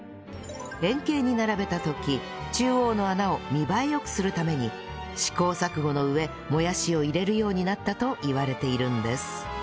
円形に並べた時中央の穴を見栄え良くするために試行錯誤の上もやしを入れるようになったといわれているんです